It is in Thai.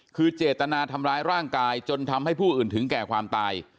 คือเจตนาทำร้ายร่างกายจนทำให้ผู้อื่นถึงแก่ความตาย